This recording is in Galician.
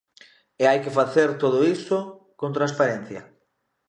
E hai que facer todo iso con transparencia.